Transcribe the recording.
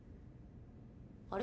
あれ？